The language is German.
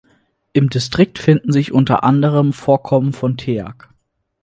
Im Distrikt finden sich unter anderem Vorkommen von Teak.